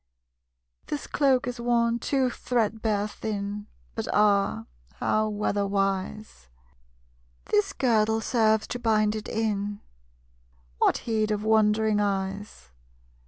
_ This cloak is worn too threadbare thin, But ah, how weatherwise! This girdle serves to bind it in; What heed of wondering eyes?